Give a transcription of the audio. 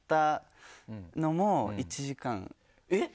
えっ！